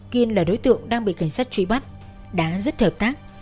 kiên là đối tượng đang bị cảnh sát truy bắt đã rất hợp tác